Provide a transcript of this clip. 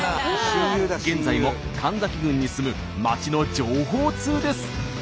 現在も神崎郡に住む町の情報通です。